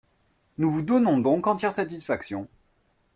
Nous vous donnons donc entière satisfaction.